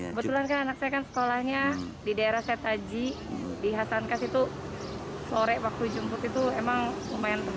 kebetulan kan anak saya sekolahnya di daerah setaji di hasan kas itu sore waktu jemput itu emang lumayan tebal